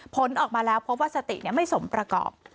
ผลออกมาแล้วพบว่าสติไม่สมประกอบ